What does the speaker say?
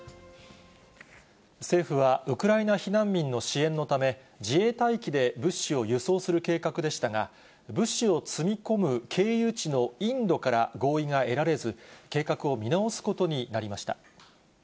政府はウクライナ避難民の支援のため、自衛隊機で物資を輸送する計画でしたが、物資を積み込む経由地のインドから合意が得られず、計画を見直すことになりました。